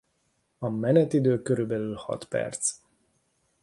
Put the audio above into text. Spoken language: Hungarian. A menetidő körülbelül hat perc.